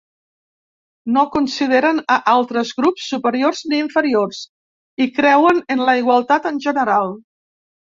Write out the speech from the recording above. No consideren a altres grups superiors ni inferiors, i creuen en la igualtat en general.